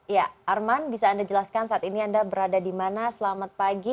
ya arman bisa anda jelaskan saat ini anda berada di mana selamat pagi